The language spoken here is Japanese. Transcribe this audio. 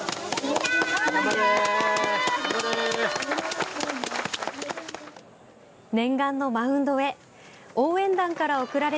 頑張れ！